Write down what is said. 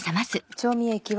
調味液は。